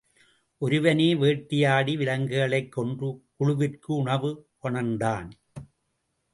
ஒருவனே வேட்டையாடி விலங்குகளைக் கொன்று குழுவிற்கு உணவு கொணர்ந்தான்.